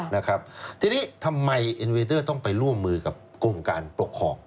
นะครับทีนี้ทำไมเอ็นเวเดอร์ต้องไปร่วมมือกับกรมการปกครอง